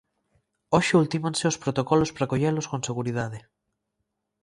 Hoxe ultímanse os protocolos para acollelos con seguridade.